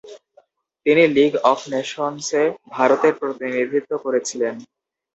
তিনি league of নেশনসে ভারতের প্রতিনিধিত্ব করেছিলেন।